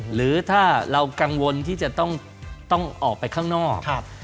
หรือถ้าเรากังวลที่จะต้องออกไปข้างนอก